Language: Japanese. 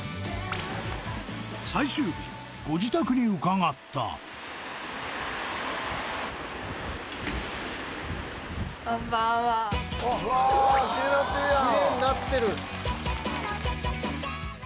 最終日ご自宅に伺ったこんばんはわあキレイなってるやん